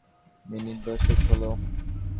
Minute দশেক হলো।